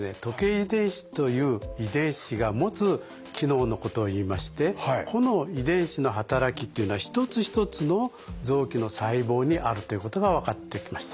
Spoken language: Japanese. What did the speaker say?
遺伝子という遺伝子が持つ機能のことをいいましてこの遺伝子の働きというのはひとつひとつの臓器の細胞にあるということが分かってきました。